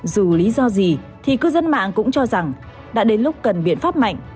dù lý do gì thì cư dân mạng cũng cho rằng đã đến lúc cần biện pháp mạnh